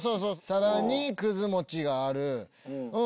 皿にくず餅がある。